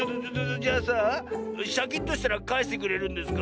じゃあさシャキッとしたらかえしてくれるんですか？